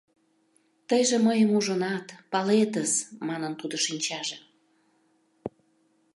«Тыйже мыйым ужынат, палетыс» — манын тудын шинчаже.